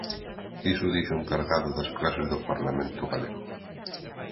Iso dixo o encargado das clases no Parlamento galego